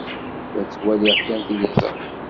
La ttwaliɣ kan tiliẓri.